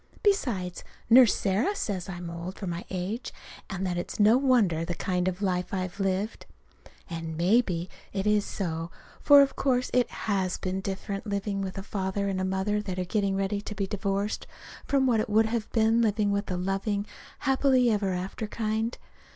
Besides, Nurse Sarah says I am old for my age, and that it's no wonder, the kind of a life I've lived. And maybe that is so. For of course it has been different, living with a father and mother that are getting ready to be divorced from what it would have been living with the loving, happy ever after kind.